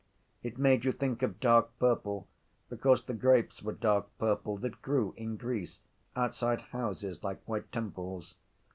It made you think of dark purple because the grapes were dark purple that grew in Greece outside houses like white temples.